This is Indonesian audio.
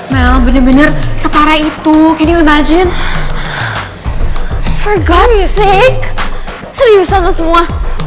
mel bener bener separah itu can you imagine for god's sake seriusan lo semua